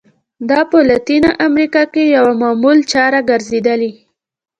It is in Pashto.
دا په لاتینه امریکا کې یوه معمول چاره ګرځېدلې.